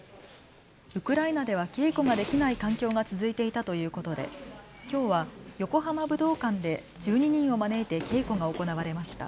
ウクライナでは稽古ができない環境が続いていたということできょうは横浜武道館で、１２人を招いて稽古が行われました。